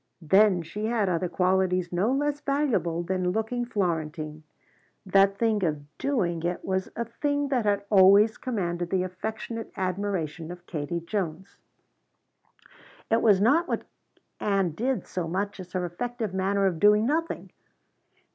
Then she had other qualities no less valuable than looking Florentine. That thing of doing it was a thing that had always commanded the affectionate admiration of Katie Jones. It was not what Ann did so much as her effective manner of doing nothing.